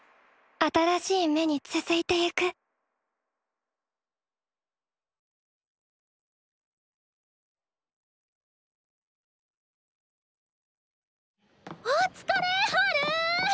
新しい芽に続いてゆくお疲れハル！